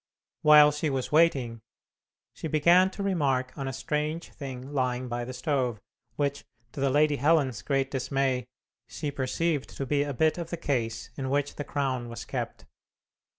While she was waiting, she began to remark on a strange thing lying by the stove, which, to the Lady Helen's great dismay, she perceived to be a bit of the case in which the crown was kept.